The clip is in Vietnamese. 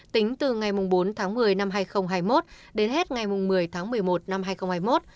tính từ ngày bốn tháng một mươi năm hai nghìn hai mươi một đến hết ngày một mươi tháng một mươi một năm hai nghìn hai mươi một